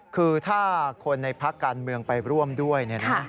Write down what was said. คือถ้าคนในภาคการเมืองไปร่วมด้วย